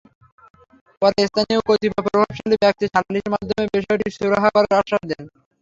পরে স্থানীয় কতিপয় প্রভাবশালী ব্যক্তি সালিসের মাধ্যমে বিষয়টি সুরাহা করার আশ্বাস দেন।